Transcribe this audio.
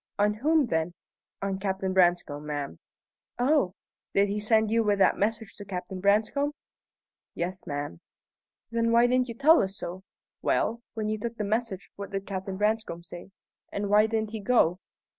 "On whom, then?" "On Captain Branscome, ma'am." "Oh! Did he send you with that message to Captain Branscome?" "Yes, ma'am." "Then why didn't you tell us so? Well, when you took the message, what did Captain Branscome say? And why didn't he go?"